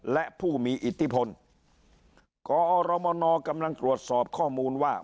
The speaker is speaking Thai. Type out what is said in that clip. และผู้มีอิทธิพลกอรมนกำลังตรวจสอบข้อมูลว่า